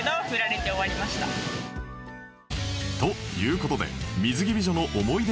という事で水着美女の思い出